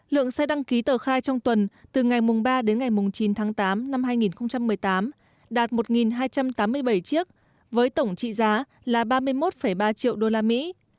lượng xe đăng ký tờ khai trong tuần từ ngày ba đến ngày chín tháng tám năm hai nghìn một mươi tám đạt một hai trăm tám mươi bảy chiếc với tổng trị giá là ba mươi một ba triệu đô la mỹ